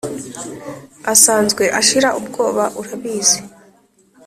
Asanzwe ashira ubwoba urabizi